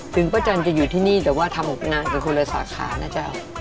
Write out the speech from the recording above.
ป้าจันทร์จะอยู่ที่นี่แต่ว่าทำงานกันคนละสาขานะเจ้า